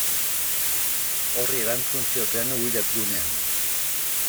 Horri erantzun zioten Wired gunean.